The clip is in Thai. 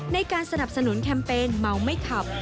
ในการสนับสนุนแคมเปญเมาไม่ขับ